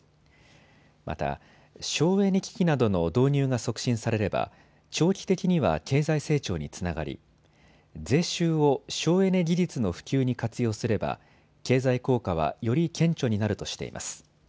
また省エネ機器などの導入が促進されれば長期的には経済成長につながり税収を省エネ技術の普及に活用すれば経済効果はより顕著になるとしています。